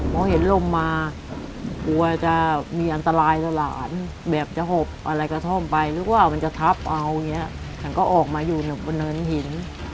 พอเห็นลมมากลัวจะมีอันตรายต่อหลานแบบจะหบอะไรกระท่อมไปหรือว่ามันจะทับเอาอย่างนี้ฉันก็ออกมาอยู่บนเนินหิน